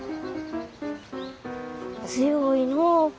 強いのう。